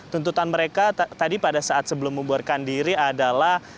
tuntutan mereka tadi pada saat sebelum membuarkan diri adalah